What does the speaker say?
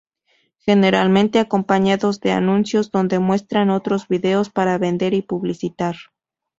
Generalmente acompañados de anuncios donde muestran otros videos para vender y publicitar.